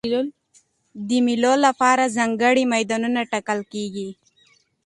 د مېلو له پاره ځانګړي میدانونه ټاکل کېږي.